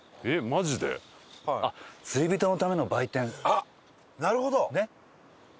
あっなるほど！